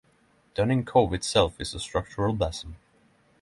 Dunning Cove itself is a structural basin.